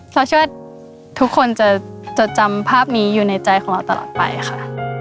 เราเชื่อว่าทุกคนจะจดจำภาพนี้อยู่ในใจของเราตลอดไปค่ะ